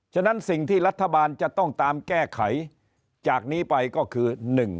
ฉะนั้นสิ่งที่รัฐบาลจะต้องตามแก้ไขจากนี้ไปก็คือ